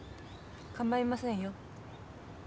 構いませんよ。